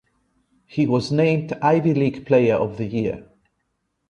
He was named Ivy League Player of the Year.